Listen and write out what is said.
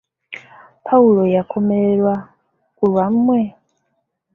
Pawulo yakomererwa ku lwammwe?